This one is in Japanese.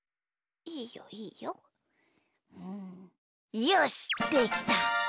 うんよしできた！